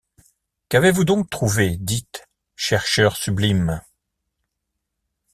Qu’avez-vous donc trouvé, dites, chercheurs sublimes?